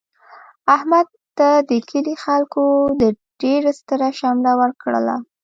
احمد ته د کلي خلکو د ډېر ستره شمله ورکړله.